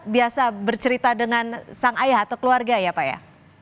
biasa bercerita dengan sang ayah atau keluarga ya pak ya